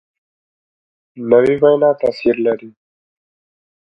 نوې وینا تاثیر لري